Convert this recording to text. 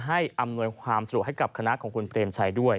อำนวยความสะดวกให้กับคณะของคุณเปรมชัยด้วย